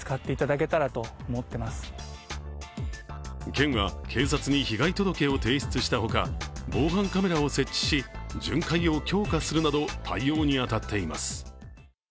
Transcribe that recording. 県は、警察に被害届を提出したほか、防犯カメラを設置し巡回を強化するなど対応に当たっています。